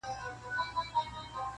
یوه ورځ لاري جلا سوې د یارانو!